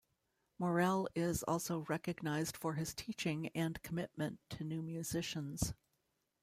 Morel is also recognized for his teaching and commitment to new musicians.